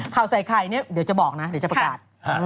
ข่าวใส่ไข่เนี่ยเดี๋ยวจะบอกนะเดี๋ยวจะประกาศ